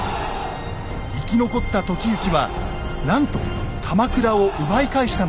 生き残った時行はなんと鎌倉を奪い返したのです。